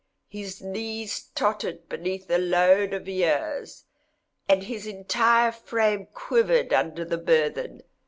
His knees tottered beneath a load of years, and his entire frame quivered under the burthen.